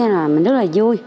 rất là vui